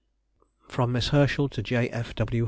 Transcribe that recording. FROM MISS HERSCHEL TO J. F. W.